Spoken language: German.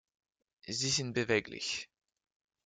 Sie sind beweglich.